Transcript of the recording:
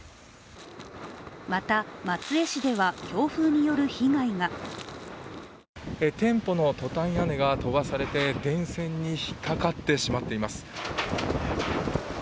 また、松江市では強風による被害が店舗のトタン屋根が飛ばされて、電線にひっかかってしまっています。